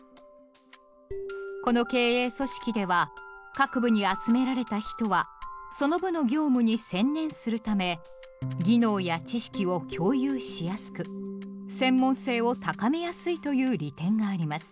この経営組織では各部に集められた人はその部の業務に専念するため技能や知識を共有しやすく専門性を高めやすいという利点があります。